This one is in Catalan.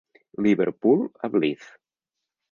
Liverpool a Blyth.